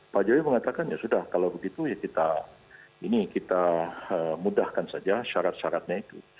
pak jokowi mengatakan ya sudah kalau begitu ya kita ini kita mudahkan saja syarat syaratnya itu